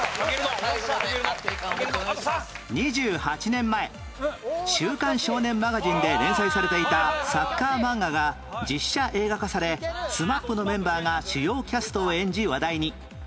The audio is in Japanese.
２８年前『週刊少年マガジン』で連載されていたサッカー漫画が実写映画化され ＳＭＡＰ のメンバーが主要キャストを演じ話題に